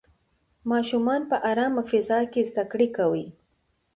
ماشومان په ارامه فضا کې زده کړې کوي.